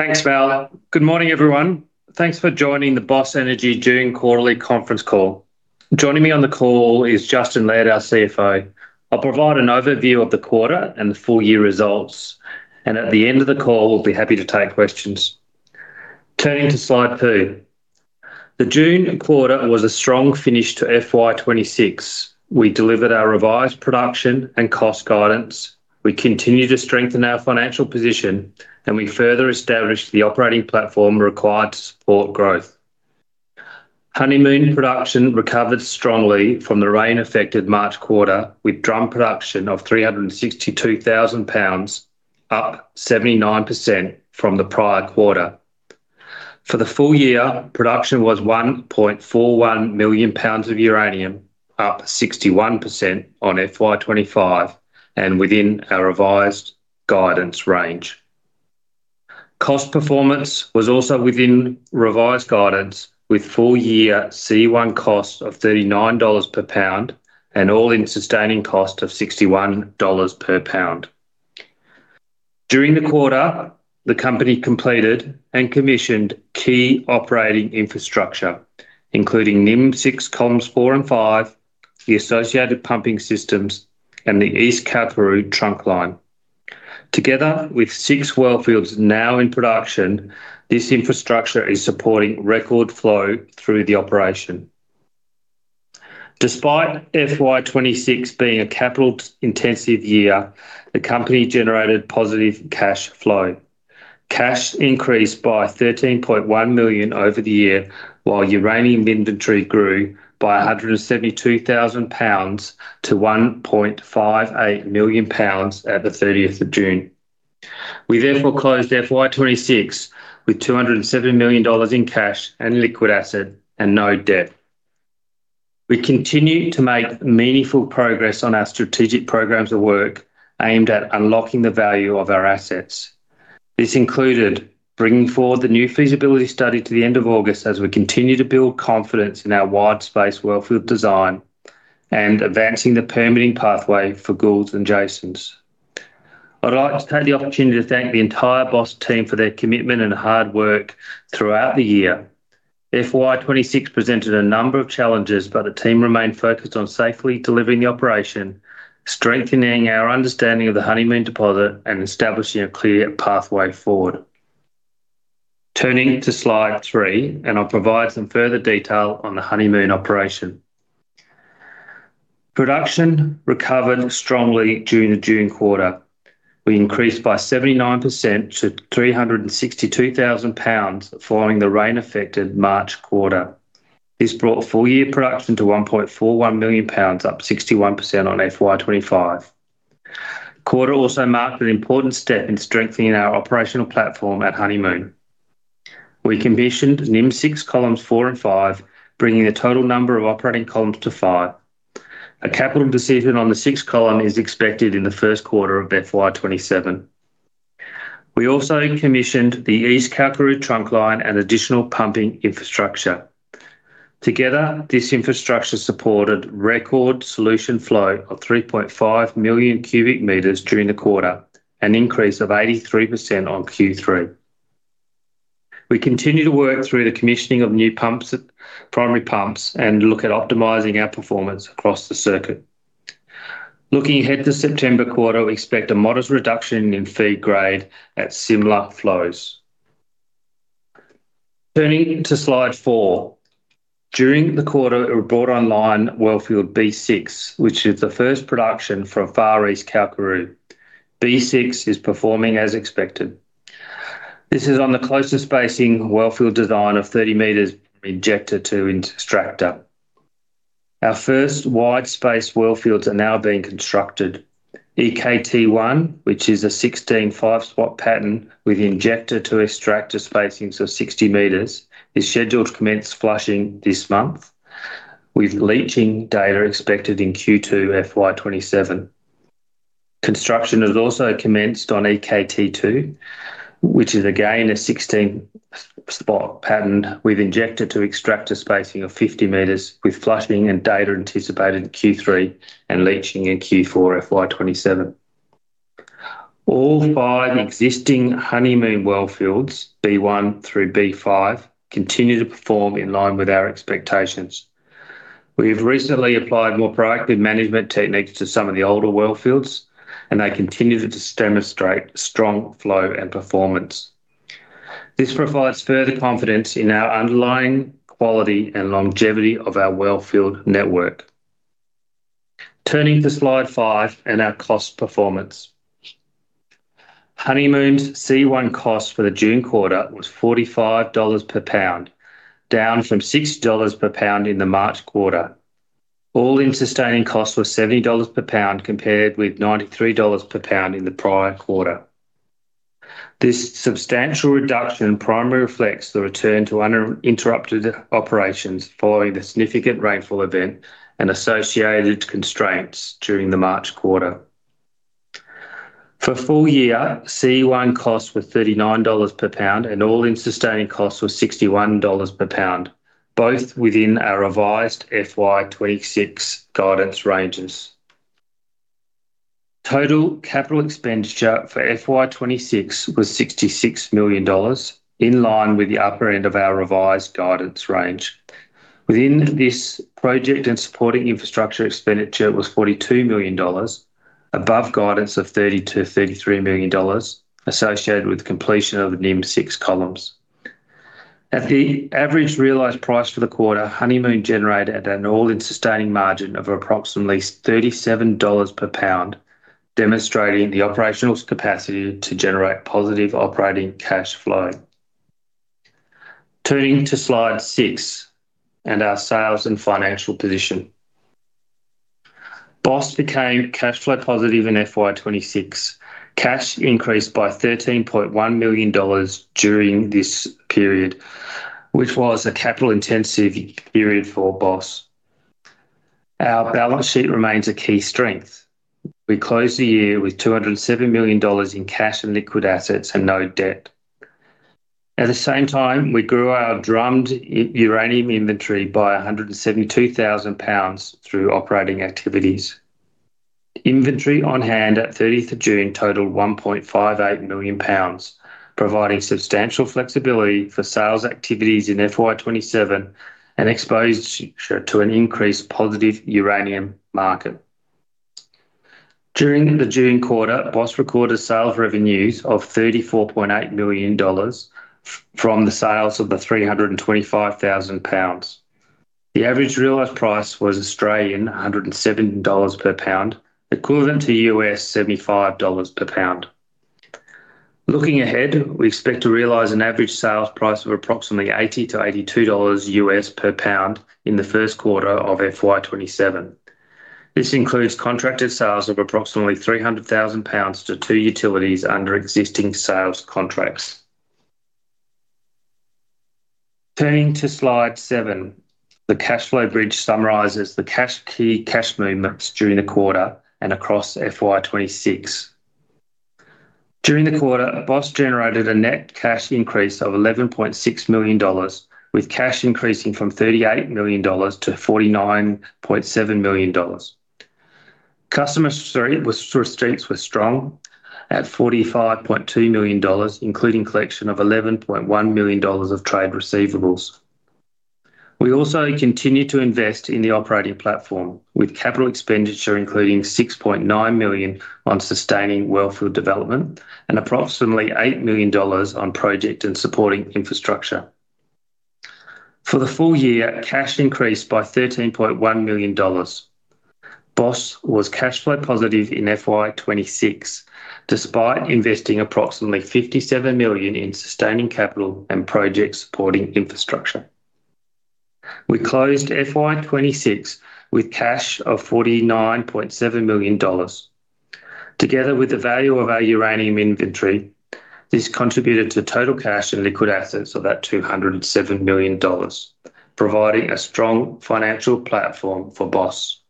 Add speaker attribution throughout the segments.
Speaker 1: Thanks, Val. Good morning, everyone. Thanks for joining the Boss Energy June quarterly conference call. Joining me on the call is Justin Laird, our CFO. I will provide an overview of the quarter and the full year results. At the end of the call, we will be happy to take questions. Turning to slide two. The June quarter was a strong finish to FY 2026. We delivered our revised production and cost guidance. We continue to strengthen our financial position. We further established the operating platform required to support growth. Honeymoon production recovered strongly from the rain-affected March quarter, with drum production of 362,000 lbs, up 79% from the prior quarter. For the full year, production was 1.41 million pounds of uranium, up 61% on FY 2025, within our revised guidance range. Cost performance was also within revised guidance, with full-year C1 cost of 39 dollars per pound and AISC of 61 dollars per pound. During the quarter, the company completed and commissioned key operating infrastructure, including NIMCIX columns four and five, the associated pumping systems, and the East Kalkaroo trunk line. Together with six wellfields now in production, this infrastructure is supporting record flow through the operation. Despite FY 2026 being a capital-intensive year, the company generated positive cash flow. Cash increased by 13.1 million over the year, while uranium inventory grew by 172,000 lbs to 1.58 million pounds at the 30th of June. We therefore closed FY 2026 with AUD 207 million in cash and liquid assets and no debt. We continue to make meaningful progress on our strategic programs of work aimed at unlocking the value of our assets. This included bringing forward the new feasibility study to the end of August as we continue to build confidence in our wide space wellfield design and advancing the permitting pathway for Gould's and Jasons. I would like to take the opportunity to thank the entire Boss team for their commitment and hard work throughout the year. FY 2026 presented a number of challenges, but the team remained focused on safely delivering the operation, strengthening our understanding of the Honeymoon deposit, and establishing a clear pathway forward. Turning to slide three, I will provide some further detail on the Honeymoon operation. Production recovered strongly during the June quarter. We increased by 79% to 362,000 lbs following the rain-affected March quarter. This brought full year production to 1.41 million pounds, up 61% on FY 2025. Quarter also marked an important step in strengthening our operational platform at Honeymoon. We commissioned NIMCIX columns four and five, bringing the total number of operating columns to five. A capital decision on the sixth column is expected in the first quarter of FY 2027. We also commissioned the East Kalkaroo trunk line and additional pumping infrastructure. Together, this infrastructure supported record solution flow of 3.5 million cubic meters during the quarter, an increase of 83% on Q3. We continue to work through the commissioning of new primary pumps and look at optimizing our performance across the circuit. Looking ahead to September quarter, we expect a modest reduction in feed grade at similar flows. Turning to slide four. During the quarter, we brought online Wellfield B6, which is the first production from Far East Kalkaroo. B6 is performing as expected. This is on the closer spacing wellfield design of 30 m from injector to extractor. Our first wide space wellfields are now being constructed. EKT1, which is a 16 five-spot pattern with injector to extractor spacings of 60 m, is scheduled to commence flushing this month, with leaching data expected in Q2 FY 2027. Construction has also commenced on EKT2, which is again a 16-spot pattern with injector to extractor spacing of 50 m with flushing and data anticipated in Q3 and leaching in Q4 FY 2027. All five existing Honeymoon wellfields, B1 through B5, continue to perform in line with our expectations. We've recently applied more proactive management techniques to some of the older wellfields. They continue to demonstrate strong flow and performance. This provides further confidence in our underlying quality and longevity of our wellfield network. Turning to slide five and our cost performance. Honeymoon's C1 cost for the June quarter was AUD 45 per pound, down from AUD 60 per pound in the March quarter. All-in sustaining costs were AUD 70 per pound compared with AUD 93 per pound in the prior quarter. This substantial reduction primarily reflects the return to uninterrupted operations following the significant rainfall event and associated constraints during the March quarter. For full year, C1 costs were AUD 39 per pound and all-in sustaining costs were AUD 61 per pound, both within our revised FY 2026 guidance ranges. Total capital expenditure for FY 2026 was 66 million dollars, in line with the upper end of our revised guidance range. Within this project and supporting infrastructure expenditure was 42 million dollars, above guidance of 30 million-33 million dollars associated with completion of NIMCIX columns. At the average realized price for the quarter, Honeymoon generated an all-in sustaining margin of approximately 37 dollars per pound, demonstrating the operational capacity to generate positive operating cash flow. Turning to slide six and our sales and financial position. Boss became cash flow positive in FY 2026. Cash increased by 13.1 million dollars during this period, which was a capital intensive period for Boss. Our balance sheet remains a key strength. We closed the year with 207 million dollars in cash and liquid assets and no debt. At the same time, we grew our drummed uranium inventory by 172,000 lbs through operating activities. Inventory on hand at 30th June totaled 1.58 million pounds, providing substantial flexibility for sales activities in FY 2027 and exposure to an increased positive uranium market. During the June quarter, Boss recorded sales revenues of 34.8 million dollars from the sales of the 325,000 lbs. The average realized price was 107 Australian dollars per pound, equivalent to $75 per pound. Looking ahead, we expect to realize an average sales price of approximately $80-$82 per pound in the first quarter of FY 2027. This includes contracted sales of approximately 300,000 lbs to two utilities under existing sales contracts. Turning to slide seven, the cash flow bridge summarizes the key cash movements during the quarter and across FY 2026. During the quarter, Boss generated a net cash increase of 11.6 million dollars, with cash increasing from 38 million dollars to 49.7 million dollars. Customer receipts were strong at 45.2 million dollars, including collection of 11.1 million dollars of trade receivables. We also continue to invest in the operating platform with capital expenditure, including 6.9 million on sustaining wellfield development and approximately 8 million dollars on project and supporting infrastructure. For the full year, cash increased by AUD 13.1 million. Boss was cash flow positive in FY 2026, despite investing approximately AUD 57 million in sustaining capital and project supporting infrastructure. We closed FY 2026 with cash of AUD 49.7 million. Together with the value of our uranium inventory, this contributed to total cash and liquid assets of about 207 million dollars, providing a strong financial platform for Boss.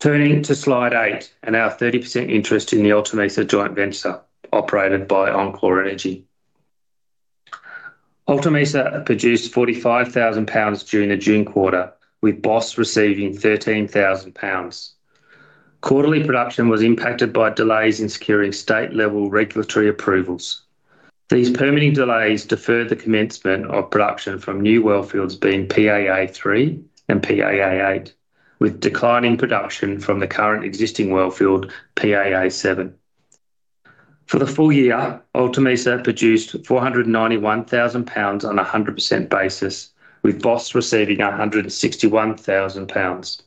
Speaker 1: Turning to slide eight and our 30% interest in the Alta Mesa joint venture operated by enCore Energy. Alta Mesa produced 45,000 lbs during the June quarter, with Boss receiving 13,000 lbs. Quarterly production was impacted by delays in securing state level regulatory approvals. These permitting delays deferred the commencement of production from new wellfields being PAA3 and PAA8, with declining production from the current existing wellfield, PAA7. For the full year, Alta Mesa produced 491,000 lbs on 100% basis, with Boss receiving 161,000 lbs.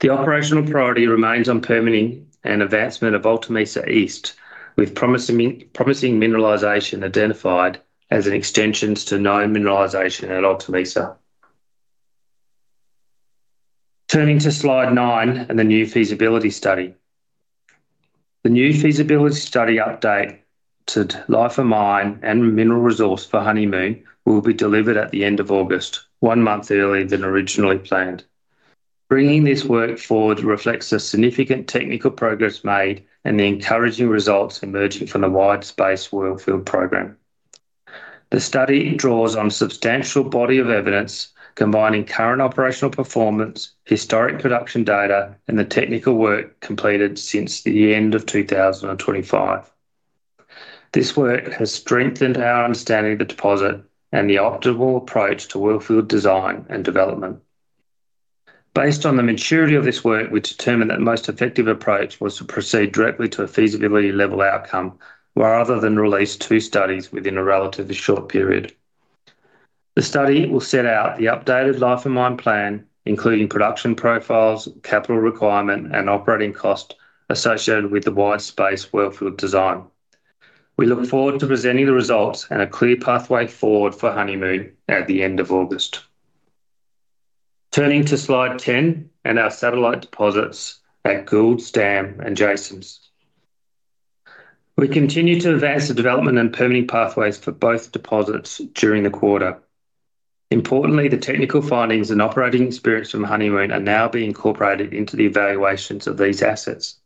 Speaker 1: The operational priority remains on permitting and advancement of Alta Mesa East, with promising mineralization identified as extensions to known mineralization at Alta Mesa. Turning to slide nine and the new feasibility study. The new feasibility study update to life of mine and mineral resource for Honeymoon will be delivered at the end of August, one month earlier than originally planned. Bringing this work forward reflects a significant technical progress made and the encouraging results emerging from the wide space wellfield program. The study draws on substantial body of evidence combining current operational performance, historic production data, and the technical work completed since the end of 2025. This work has strengthened our understanding of the deposit and the optimal approach to wellfield design and development. Based on the maturity of this work, we determined that most effective approach was to proceed directly to a feasibility level outcome, rather than release two studies within a relatively short period. The study will set out the updated life of mine plan, including production profiles, capital requirement, and operating cost associated with the wide space wellfield design. We look forward to presenting the results and a clear pathway forward for Honeymoon at the end of August. Turning to slide 10 and our satellite deposits at Gould's Dam and Jasons. We continue to advance the development and permitting pathways for both deposits during the quarter. Importantly, the technical findings and operating experience from Honeymoon are now being incorporated into the evaluations of these assets.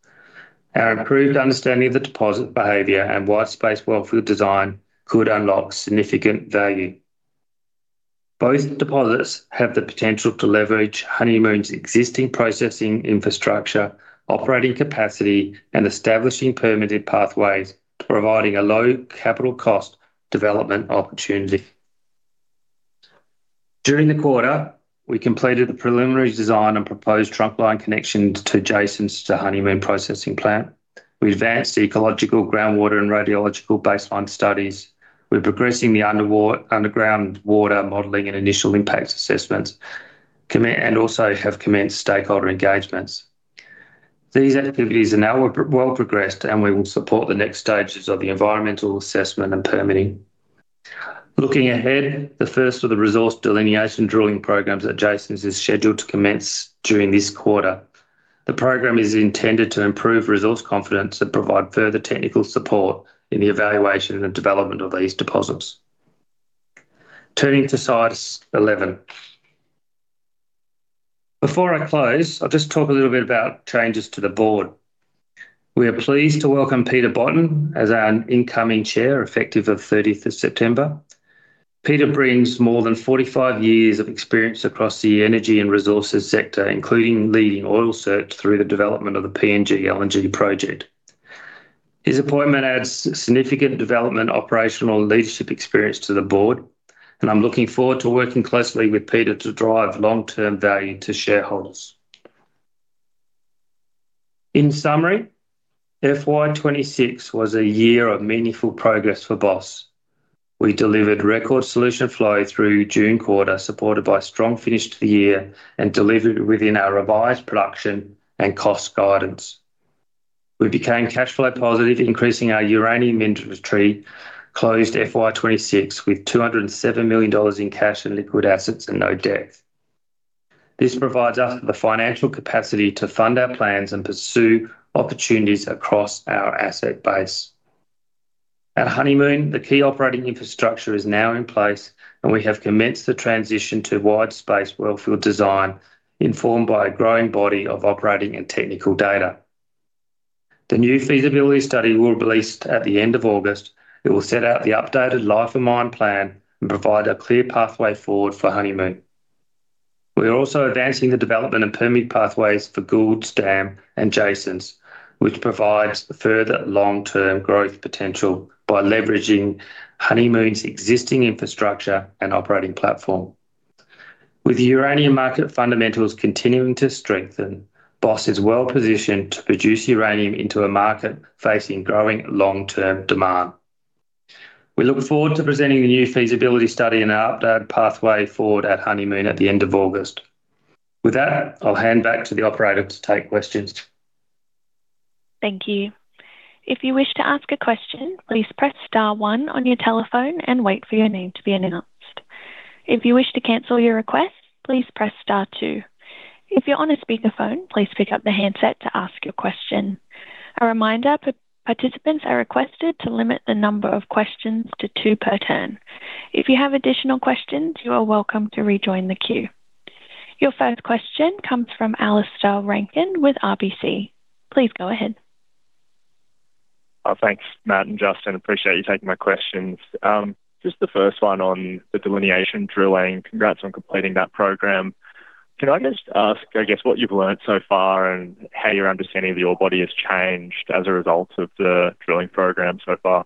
Speaker 1: Our improved understanding of the deposit behavior and wide space wellfield design could unlock significant value. Both deposits have the potential to leverage Honeymoon's existing processing infrastructure, operating capacity, and establishing permitted pathways, providing a low capital cost development opportunity. During the quarter, we completed the preliminary design and proposed trunk line connection to Jasons to Honeymoon processing plant. We advanced ecological groundwater and radiological baseline studies. We're progressing the underground water modeling and initial impacts assessments, and also have commenced stakeholder engagements. These activities are now well progressed. We will support the next stages of the environmental assessment and permitting. Looking ahead, the first of the resource delineation drilling programs at Jasons is scheduled to commence during this quarter. The program is intended to improve resource confidence and provide further technical support in the evaluation and development of these deposits. Turning to slide 11. Before I close, I'll just talk a little bit about changes to the board. We are pleased to welcome Peter Botten as our incoming Chair, effective of 30th of September. Peter brings more than 45 years of experience across the energy and resources sector, including leading Oil Search through the development of the PNG LNG Project. His appointment adds significant development, operational, and leadership experience to the board. I'm looking forward to working closely with Peter to drive long-term value to shareholders. In summary, FY 2026 was a year of meaningful progress for Boss. We delivered record solution flow through June quarter, supported by strong finish to the year and delivered within our revised production and cost guidance. We became cash flow positive, increasing our uranium inventory, closed FY 2026 with 207 million dollars in cash and liquid assets and no debt. This provides us the financial capacity to fund our plans and pursue opportunities across our asset base. At Honeymoon, the key operating infrastructure is now in place, and we have commenced the transition to wide space wellfield design, informed by a growing body of operating and technical data. The new feasibility study we'll release at the end of August. It will set out the updated life of mine plan and provide a clear pathway forward for Honeymoon. We are also advancing the development and permit pathways for Gould's Dam and Jasons, which provides further long-term growth potential by leveraging Honeymoon's existing infrastructure and operating platform. With the uranium market fundamentals continuing to strengthen, Boss is well-positioned to produce uranium into a market facing growing long-term demand. We look forward to presenting the new feasibility study and our updated pathway forward at Honeymoon at the end of August. With that, I'll hand back to the operator to take questions.
Speaker 2: Thank you. If you wish to ask a question, please press star one on your telephone and wait for your name to be announced. If you wish to cancel your request, please press star two. If you're on a speakerphone, please pick up the handset to ask your question. A reminder, participants are requested to limit the number of questions to two per turn. If you have additional questions, you are welcome to rejoin the queue. Your first question comes from Alistair Rankin with RBC. Please go ahead.
Speaker 3: Thanks, Matt and Justin. Appreciate you taking my questions. Just the first one on the delineation drilling. Congrats on completing that program. Can I just ask, I guess, what you've learned so far and how your understanding of the ore body has changed as a result of the drilling program so far?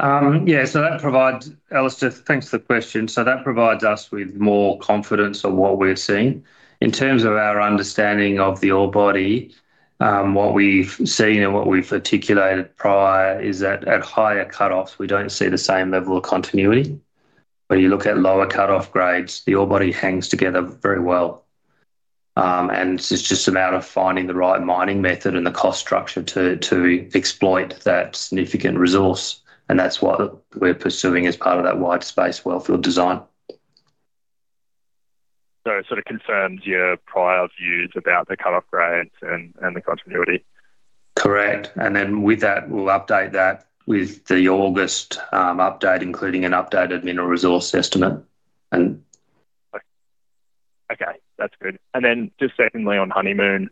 Speaker 1: Alistair, thanks for the question. That provides us with more confidence on what we're seeing. In terms of our understanding of the ore body, what we've seen and what we've articulated prior is that at higher cutoffs, we do not see the same level of continuity. When you look at lower cutoff grades, the ore body hangs together very well. It is just a matter of finding the right mining method and the cost structure to exploit that significant resource, and that is what we are pursuing as part of that wide space wellfield design.
Speaker 3: It sort of confirms your prior views about the cutoff grades and the continuity?
Speaker 1: Correct. With that, we will update that with the August update, including an updated mineral resource estimate and.
Speaker 3: Okay. That is good. Just secondly on Honeymoon,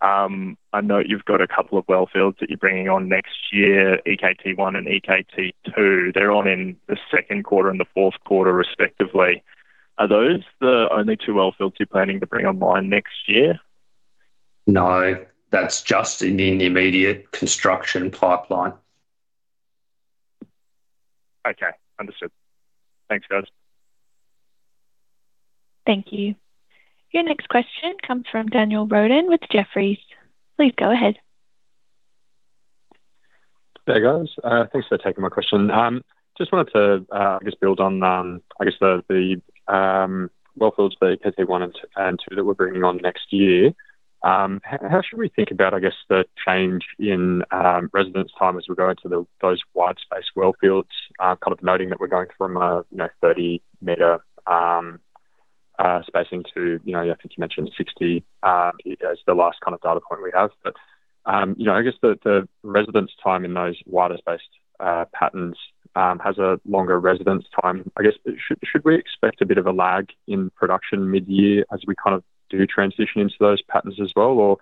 Speaker 3: I know you have got a couple of wellfields that you are bringing on next year, EKT1 and EKT2. They are on in the second quarter and the fourth quarter respectively. Are those the only two wellfields you are planning to bring online next year?
Speaker 1: No. That's just in the immediate construction pipeline.
Speaker 3: Okay. Understood. Thanks, guys.
Speaker 2: Thank you. Your next question comes from Daniel Roden with Jefferies. Please go ahead.
Speaker 4: Hey, guys. Thanks for taking my question. Just wanted to, I guess, build on, I guess the wellfields for EKT1 and EKT2 that we're bringing on next year. How should we think about, I guess, the change in residence time as we go into those wide space wellfields? Kind of noting that we're going from a 30 m spacing to, I think you mentioned 60 as the last kind of data point we have. But I guess the residence time in those wider spaced patterns has a longer residence time. I guess, should we expect a bit of a lag in production midyear as we kind of do transition into those patterns as well? Or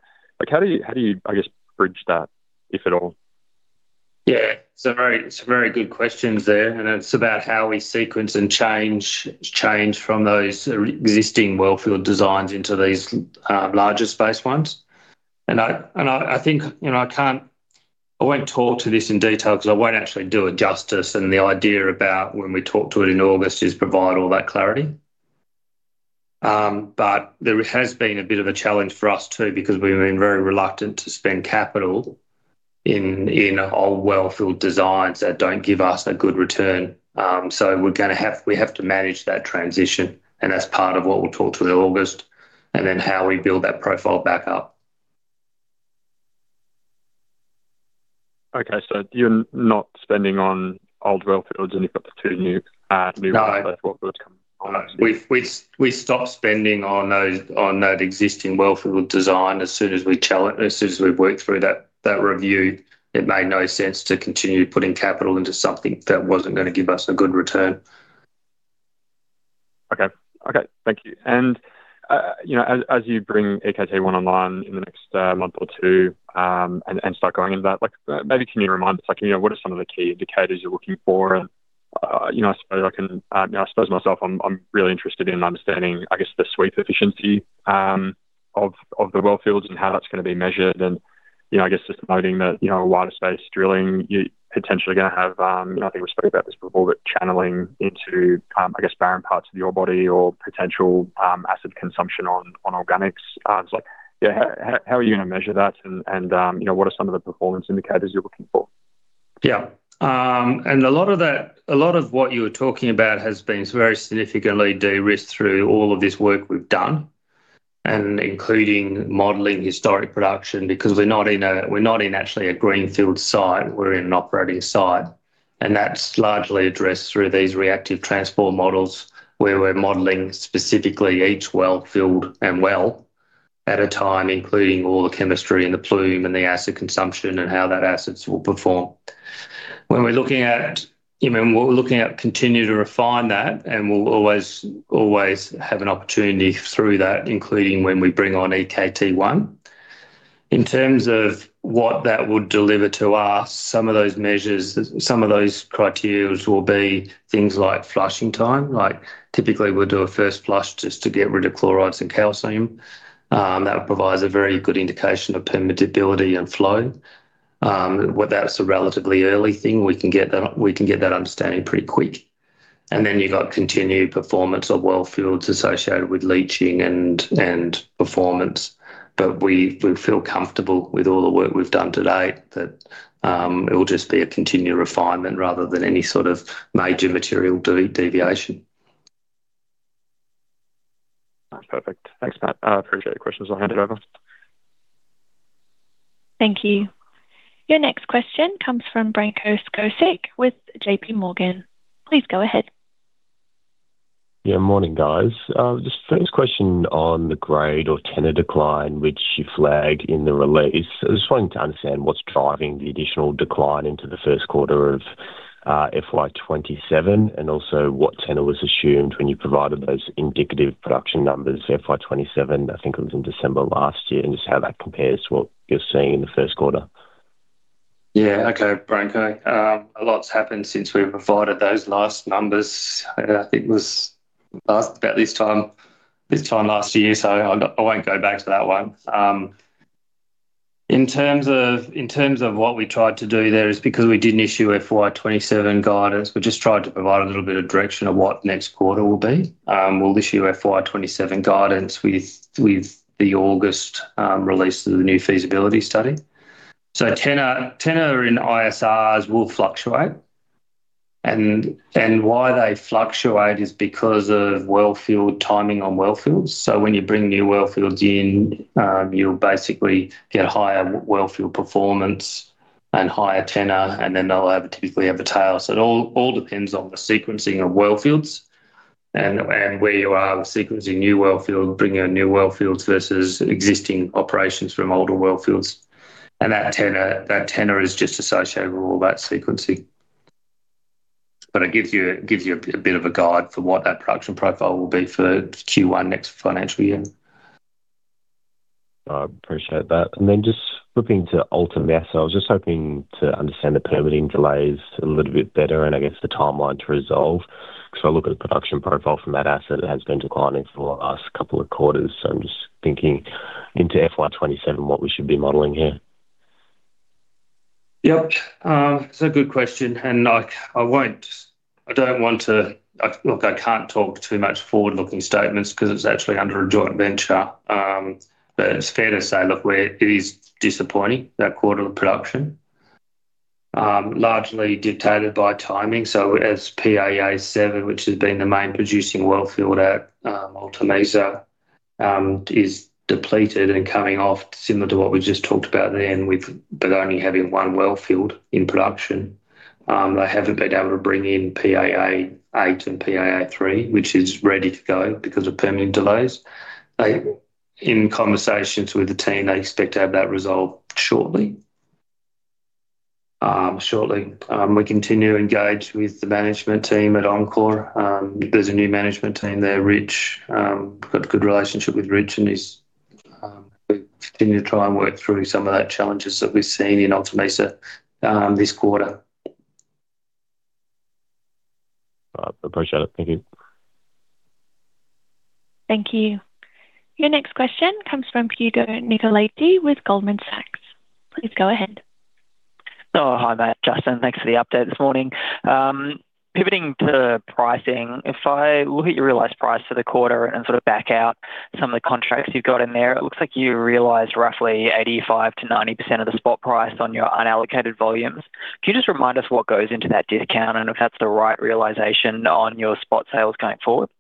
Speaker 4: how do you, I guess, bridge that, if at all?
Speaker 1: Yeah. It's about how we sequence and change from those existing wellfield designs into these larger space ones. I think I won't talk to this in detail because I won't actually do it justice, and the idea about when we talk to it in August is provide all that clarity. There has been a bit of a challenge for us, too, because we've been very reluctant to spend capital in old wellfield designs that don't give us a good return. We have to manage that transition, and that's part of what we'll talk to in August and then how we build that profile back up.
Speaker 4: Okay, you're not spending on old wellfields, and you've got the two new.
Speaker 1: No.
Speaker 4: New wellfields coming on.
Speaker 1: We stopped spending on that existing wellfield design as soon as we've worked through that review. It made no sense to continue putting capital into something that wasn't going to give us a good return.
Speaker 4: Okay. Thank you. As you bring EKT1 online in the next month or two and start going into that, maybe can you remind us, what are some of the key indicators you're looking for? I suppose myself, I'm really interested in understanding, I guess, the sweep efficiency of the wellfields and how that's going to be measured. I guess just noting that wider space drilling, you're potentially going to have, I think we've spoken about this before, but channeling into, I guess, barren parts of the ore body or potential acid consumption on organics. Just how are you going to measure that and what are some of the performance indicators you're looking for?
Speaker 1: Yeah. A lot of what you were talking about has been very significantly de-risked through all of this work we've done, and including modeling historic production because we're not in actually a greenfield site, we're in an operating site. That's largely addressed through these reactive transport models where we're modeling specifically each wellfield and well at a time, including all the chemistry and the plume and the acid consumption and how that assets will perform. We're looking at continue to refine that, and we'll always have an opportunity through that, including when we bring on EKT1. In terms of what that would deliver to us, some of those measures, some of those criteria will be things like flushing time. Typically, we'll do a first flush just to get rid of chlorides and calcium. That provides a very good indication of permeability and flow. That's a relatively early thing. We can get that understanding pretty quick. Then you've got continued performance of wellfields associated with leaching and performance. We feel comfortable with all the work we've done to date that it will just be a continued refinement rather than any sort of major material deviation.
Speaker 4: Perfect. Thanks, Matt. I appreciate it. For questions, I'll hand it over.
Speaker 2: Thank you. Your next question comes from Branko Skocic with JPMorgan. Please go ahead.
Speaker 5: Yeah. Morning, guys. Just first question on the grade or tenor decline, which you flagged in the release. I was wanting to understand what's driving the additional decline into the first quarter of FY 2027 and also what tenor was assumed when you provided those indicative production numbers for FY 2027, I think it was in December last year, and just how that compares to what you're seeing in the first quarter.
Speaker 1: Yeah. Okay, Branko. A lot's happened since we provided those last numbers. I think it was asked about this time last year, I won't go back to that one. In terms of what we tried to do there is because we didn't issue FY 2027 guidance, we just tried to provide a little bit of direction of what next quarter will be. We'll issue FY 2027 guidance with the August release of the new feasibility study. Tenor in ISR will fluctuate, and why they fluctuate is because of wellfield timing on wellfields. When you bring new wellfields in, you'll basically get higher wellfield performance and higher tenor, and then they'll typically have a tail. It all depends on the sequencing of wellfields and where you are with sequencing new wellfields, bringing in new wellfields versus existing operations from older wellfields. That tenor is just associated with all that sequencing. It gives you a bit of a guide for what that production profile will be for Q1 next financial year.
Speaker 5: I appreciate that. Just flipping to Alta Mesa, I was just hoping to understand the permitting delays a little bit better and I guess the timeline to resolve. I look at the production profile from that asset, it has been declining for the last couple of quarters. I'm just thinking into FY 2027 what we should be modeling here.
Speaker 1: Yep. It's a good question. Look, I can't talk too much forward-looking statements because it's actually under a joint venture. It's fair to say, look, it is disappointing that quarter of production. Largely dictated by timing. As PAA7, which has been the main producing wellfield at Alta Mesa is depleted and coming off similar to what we just talked about then with but only having one wellfield in production. They haven't been able to bring in PAA8 and PAA3, which is ready to go because of permitting delays. In conversations with the team, they expect to have that resolved shortly. We continue to engage with the management team at enCore. There's a new management team there, Rich. Got a good relationship with Rich and we continue to try and work through some of the challenges that we've seen in Alta Mesa this quarter.
Speaker 5: I appreciate it. Thank you.
Speaker 2: Thank you. Your next question comes from Hugo Nicolaci with Goldman Sachs. Please go ahead.
Speaker 6: Oh, hi, Matt, Justin. Thanks for the update this morning. Pivoting to pricing, if I look at your realized price for the quarter and sort of back out some of the contracts you've got in there, it looks like you realized roughly 85%-90% of the spot price on your unallocated volumes. Can you just remind us what goes into that discount and if that's the right realization on your spot sales going forward?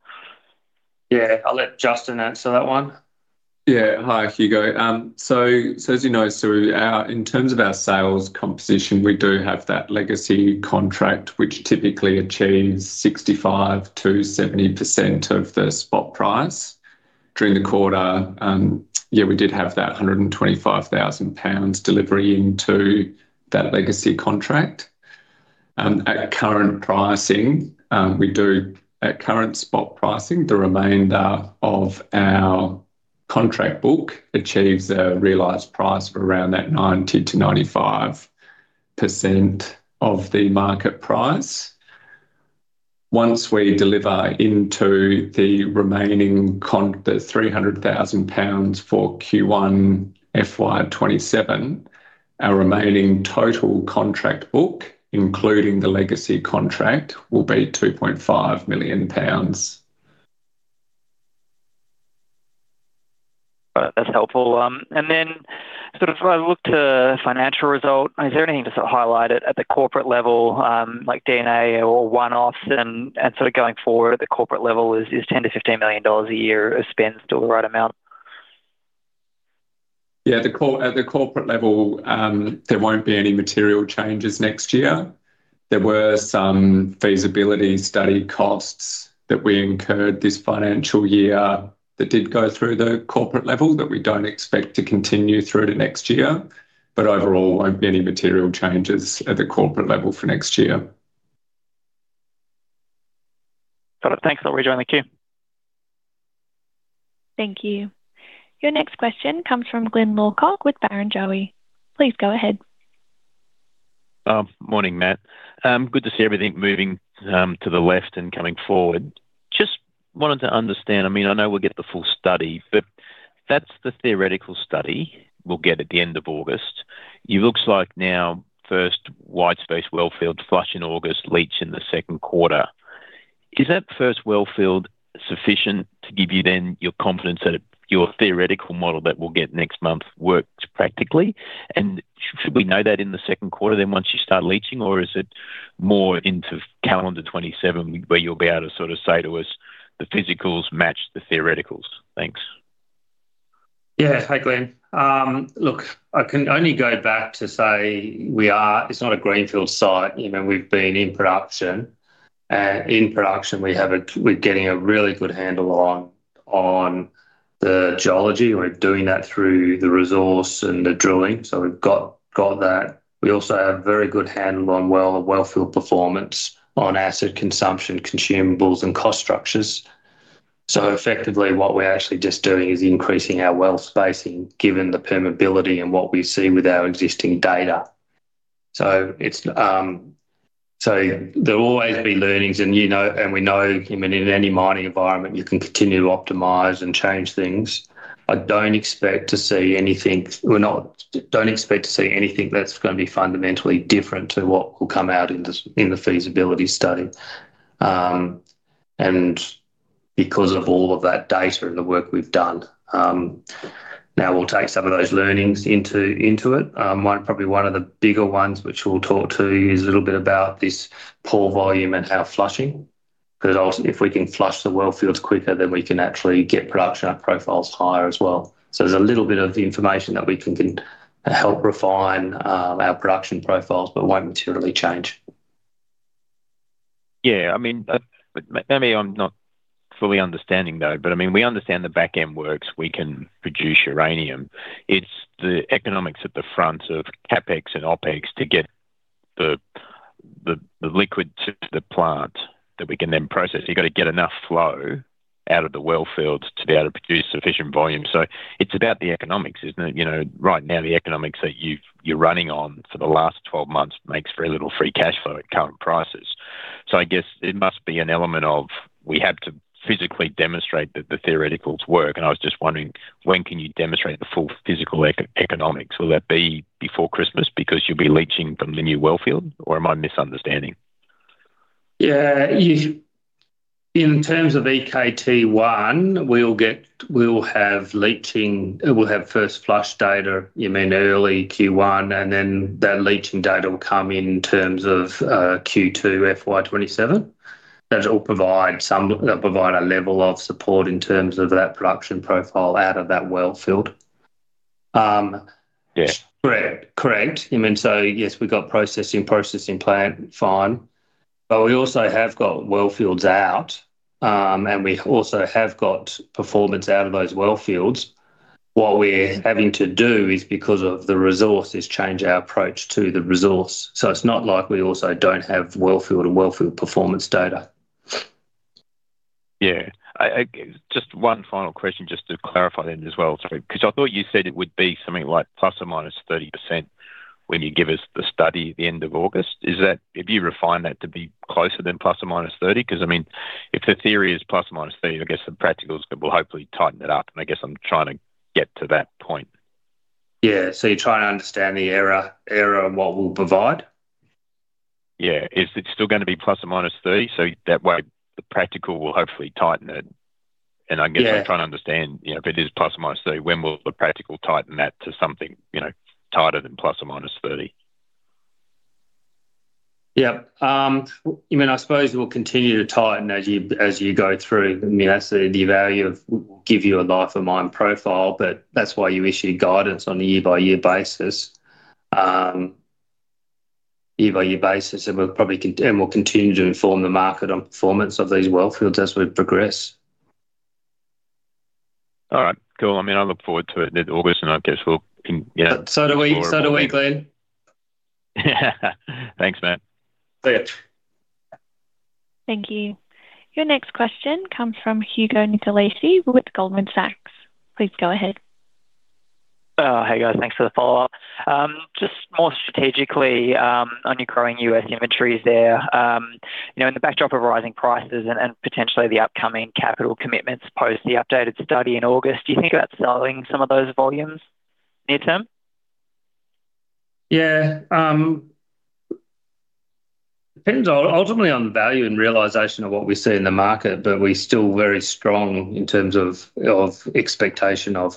Speaker 1: Yeah. I'll let Justin answer that one.
Speaker 7: Yeah. Hi, Hugo. As you know, in terms of our sales composition, we do have that legacy contract, which typically achieves 65%-70% of the spot price. During the quarter, yeah, we did have that 125,000 lbs delivery into that legacy contract. At current spot pricing, the remainder of our contract book achieves a realized price of around that 90%-95% of the market price. Once we deliver into the 300,000 lbs for Q1 FY 2027, our remaining total contract book, including the legacy contract, will be 2.5 million pounds.
Speaker 6: Right. That's helpful. If I look to financial result, is there anything to sort of highlight it at the corporate level, like D&A or one-offs and sort of going forward at the corporate level, is 10 million-15 million dollars a year of spend still the right amount?
Speaker 7: Yeah. At the corporate level, there won't be any material changes next year. There were some feasibility study costs that we incurred this financial year that did go through the corporate level that we don't expect to continue through to next year. Overall, won't be any material changes at the corporate level for next year.
Speaker 6: Got it. Thanks. I'll rejoin the queue.
Speaker 2: Thank you. Your next question comes from Glyn Lawcock with Barrenjoey. Please go ahead.
Speaker 8: Morning, Matt. Good to see everything moving to the left and coming forward. Just wanted to understand. I know we'll get the full study, that's the theoretical study we'll get at the end of August. It looks like now first wide-space wellfield flush in August, leach in the second quarter. Is that first wellfield sufficient to give you then your confidence that your theoretical model that we'll get next month works practically? Should we know that in the second quarter then once you start leaching? Is it more into calendar 2027 where you'll be able to sort of say to us, "The physicals match the theoreticals"? Thanks.
Speaker 1: Yeah. Hey, Glyn. Look, I can only go back to say it's not a greenfield site. We've been in production, and in production, we're getting a really good handle on the geology. We're doing that through the resource and the drilling. We've got that. We also have a very good handle on wellfield performance, on acid consumption, consumables, and cost structures. Effectively, what we're actually just doing is increasing our well spacing given the permeability and what we see with our existing data. There'll always be learnings and we know in any mining environment, you can continue to optimize and change things. I don't expect to see anything that's going to be fundamentally different to what will come out in the feasibility study because of all of that data and the work we've done. Now, we'll take some of those learnings into it. Probably one of the bigger ones, which we'll talk to you, is a little bit about this pore volume and our flushing. If we can flush the wellfields quicker, then we can actually get production profiles higher as well. It's a little bit of the information that we can help refine our production profiles, but won't materially change.
Speaker 8: Yeah. Maybe I'm not fully understanding, though. We understand the back-end works. We can produce uranium. It's the economics at the front of CapEx and OpEx to get the liquid to the plant that we can then process. You've got to get enough flow out of the wellfields to be able to produce sufficient volume. It's about the economics, isn't it? Right now, the economics that you're running on for the last 12 months makes very little free cash flow at current prices. I guess it must be an element of we have to physically demonstrate that the theoreticals work, and I was just wondering, when can you demonstrate the full physical economics? Will that be before Christmas because you'll be leaching from the new wellfield? Am I misunderstanding?
Speaker 1: Yeah. In terms of EKT1, we'll have first flush data early Q1 and then the leaching data will come in terms of Q2 FY 2027. That'll provide a level of support in terms of that production profile out of that wellfield.
Speaker 8: Yeah.
Speaker 1: Yes, we've got processing plant fine. We also have got wellfields out. We also have got performance out of those wellfields. What we're having to do is, because of the resource, is change our approach to the resource. It's not like we also don't have wellfield and wellfield performance data.
Speaker 8: Yeah. Just one final question just to clarify then as well, I thought you said it would be something like ±30% when you give us the study at the end of August. Have you refined that to be closer than ±30%? If the theory is ±30%, I guess the practicals will hopefully tighten it up, and I guess I'm trying to get to that point.
Speaker 1: Yeah. You're trying to understand the error on what we'll provide?
Speaker 8: Yeah. Is it still going to be ±30%? That way the practical will hopefully tighten it.
Speaker 1: Yeah.
Speaker 8: I guess I'm trying to understand, if it is ±30, when will the practical tighten that to something tighter than ±30?
Speaker 1: I suppose it will continue to tighten as you go through. That's the value of we'll give you a life of mine profile, but that's why you issue guidance on a year-by-year basis. We'll continue to inform the market on performance of these wellfields as we progress.
Speaker 8: I look forward to it in August.
Speaker 1: Do we, Glyn.
Speaker 8: Thanks, Matt.
Speaker 1: See you.
Speaker 2: Thank you. Your next question comes from Hugo Nicolaci with Goldman Sachs. Please go ahead.
Speaker 6: Hey, guys. Thanks for the follow-up. Just more strategically, on your growing uranium inventories there. In the backdrop of rising prices and potentially the upcoming capital commitments post the updated study in August, do you think about selling some of those volumes near term?
Speaker 1: Depends ultimately on the value and realization of what we see in the market, but we're still very strong in terms of expectation of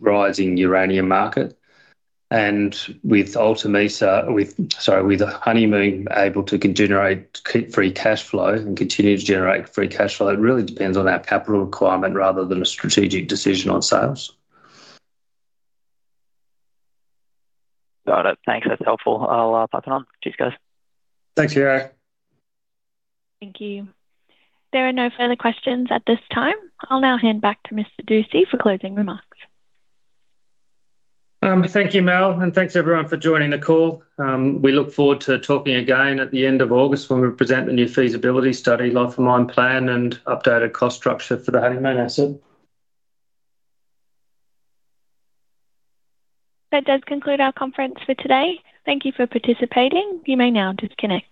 Speaker 1: rising uranium market. With Honeymoon able to generate free cash flow and continue to generate free cash flow, it really depends on our capital requirement rather than a strategic decision on sales.
Speaker 6: Got it. Thanks. That's helpful. I'll park that on. Cheers, guys.
Speaker 1: Thanks, Hugo.
Speaker 2: Thank you. There are no further questions at this time. I'll now hand back to Mr. Dusci for closing remarks.
Speaker 1: Thank you, Mel. Thanks everyone for joining the call. We look forward to talking again at the end of August when we present the new feasibility study, life of mine plan, and updated cost structure for the Honeymoon asset.
Speaker 2: That does conclude our conference for today. Thank you for participating. You may now disconnect.